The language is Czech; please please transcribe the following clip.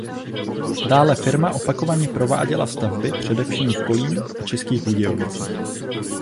Dále firma opakovaně prováděla stavby především v Kolíně a Českých Budějovicích.